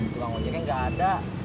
tukang ojeknya gak ada